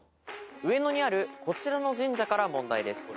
上野にあるこちらの神社から問題です。